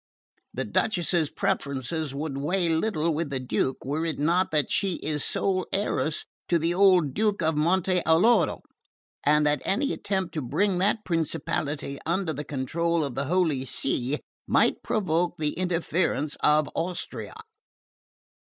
The Duchess's preferences would weigh little with the Duke were it not that she is sole heiress to the old Duke of Monte Alloro, and that any attempt to bring that principality under the control of the Holy See might provoke the interference of Austria.